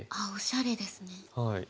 ああおしゃれですね。